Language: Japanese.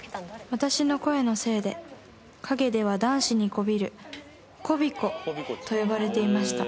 ［私の声のせいで陰では男子にこびる媚子と呼ばれていました］